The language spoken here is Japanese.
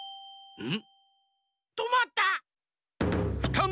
うん！